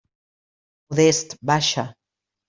Modest, baixa.